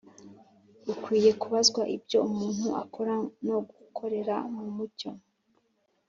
Ukwiye kubazwa ibyo umuntu akora no gukorera mu mucyo